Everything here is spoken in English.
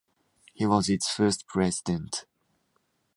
He was its first president.